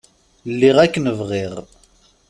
Lliɣ akken bɣiɣ.